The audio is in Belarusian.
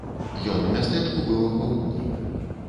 Ён у мястэчку быў апаўдні.